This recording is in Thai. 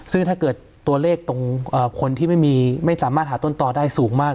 ซึ่งถ้าเกิดตัวเลขตรงคนที่ไม่สามารถหาต้นต่อได้สูงมาก